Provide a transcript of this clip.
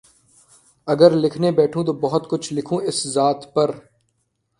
گر لکھنے بیٹھوں تو بہت کچھ لکھوں اس ذات پر